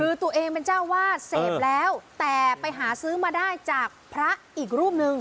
คือตัวเองเป็นเจ้าวาดเสพแล้วแต่ไปหาซื้อมาได้จากพระอีกรูปนึง